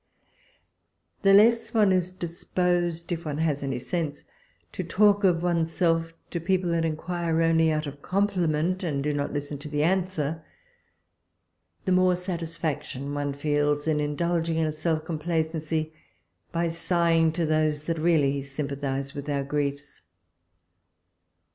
The less one is indisposed, if one has any sense, to talk of oneself to people that inquire only out of compliment, and do not listen to the answer, the more satisfaction one feels in in dulging in a self complacency, by sighing to those that really sympathise with our griefs.